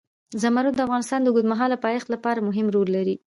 زمرد د افغانستان د اوږدمهاله پایښت لپاره مهم رول لري.